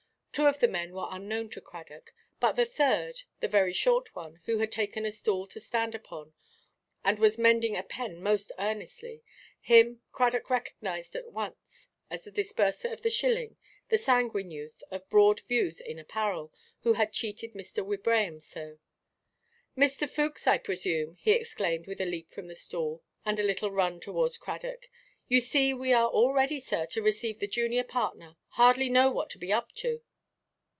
Two of the men were unknown to Cradock; but the third, the very short one, who had taken a stool to stand upon, and was mending a pen most earnestly—him Cradock recognised at once as the disburser of the shilling, the sanguine youth, of broad views in apparel, who had cheated Mr. Wibraham so. "Mr. Fookes, I presume," he exclaimed, with a leap from the stool, and a little run towards Cradock; "you see we are all ready, sir, to receive the junior partner. Hardly know what to be up to."